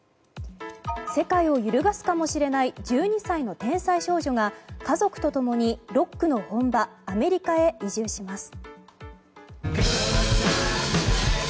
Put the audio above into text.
世界を揺るがすかもしれない１２歳の天才少女が家族と共に、ロックの本場アメリカへ移住します。